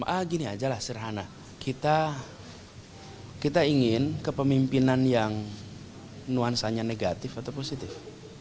ah gini aja lah serhana kita ingin kepemimpinan yang nuansanya negatif atau positif